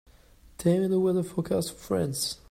Tell me the weather forecast for France